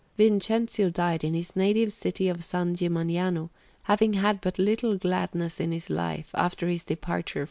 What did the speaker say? Vincenzio died in his native city of San Gimignano, having had but little gladness in his life after his departure from Rome.